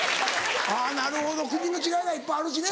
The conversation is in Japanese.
あぁなるほど国の違いがいっぱいあるしね。